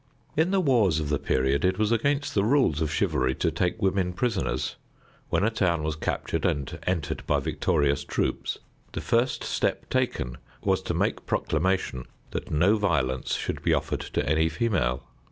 In the wars of the period, it was against the rules of chivalry to take women prisoners. When a town was captured and entered by victorious troops, the first step taken was to make proclamation that no violence should be offered to any female.